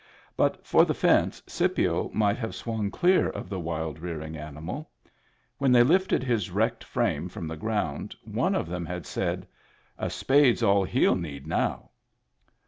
^ But for the fence, Scipio might have swung clear of the wild, rearing animal. When they lifted his wrecked frame from the ground, one of them had said: — "A spade's all hell need now."